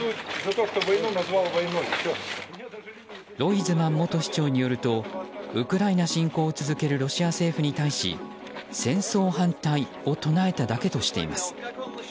ロイズマン元市長によるとウクライナ侵攻を続けるロシア政府に対し戦争反対を唱えただけとしています。